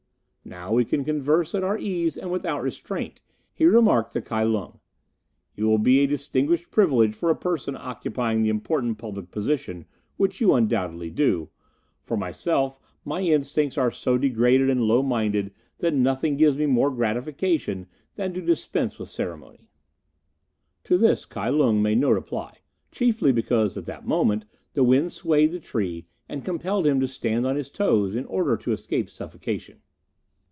"Now we can converse at our ease and without restraint," he remarked to Kai Lung. "It will be a distinguished privilege for a person occupying the important public position which you undoubtedly do; for myself, my instincts are so degraded and low minded that nothing gives me more gratification than to dispense with ceremony." To this Kai Lung made no reply, chiefly because at that moment the wind swayed the tree, and compelled him to stand on his toes in order to escape suffocation.